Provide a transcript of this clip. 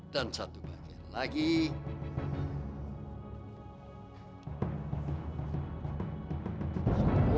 dan satu bagian lagi